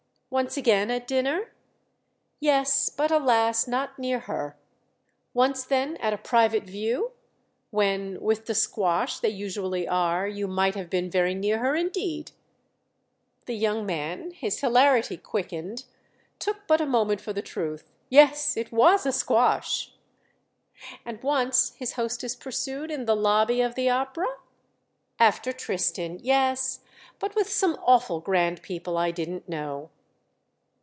"Once again at dinner?" "Yes, but alas not near her!" "Once then at a private view?—when, with the squash they usually are, you might have been very near her indeed!" The young man, his hilarity quickened, took but a moment for the truth. "Yes—it was a squash!" "And once," his hostess pursued, "in the lobby of the opera?" "After 'Tristan'—yes; but with some awful grand people I didn't know."